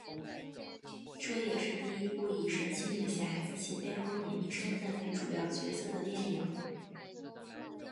这也是第一部以神奇女侠及其背后隐秘身份为主要角色的电影。